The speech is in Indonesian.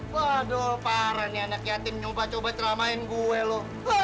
waduh parah nih anak yatim nyoba coba ceramain gue loh